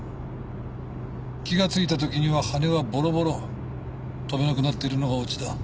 気がついた時には羽はボロボロ飛べなくなってるのがオチだ。